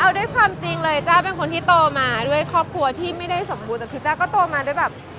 เอาด้วยความจริงเลยจ้าเป็นคนที่โตมาด้วยครอบครัวที่ไม่ได้สมบูรณแต่คือจ้าก็โตมาด้วยแบบ